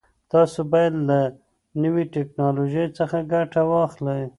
تاسو باید له نوي ټکنالوژۍ څخه ګټه واخلئ.